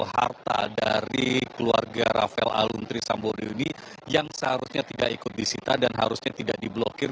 harta dari keluarga rafael aluntri sambodo ini yang seharusnya tidak ikut disita dan harusnya tidak diblokir